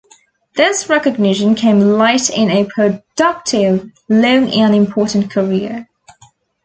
This recognition came late in a productive, long and important career.